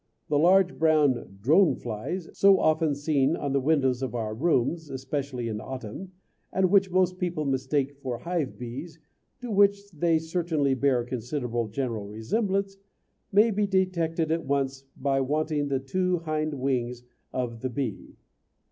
The large brown "drone flies", so often seen on the windows of our rooms, especially in autumn, and which most people mistake for hive bees, to which they certainly bear a considerable general resemblance, may be detected at once by wanting the two hind wings of the bee.